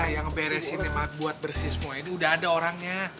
yang ngeberesin emang buat bersih semua ini udah ada orangnya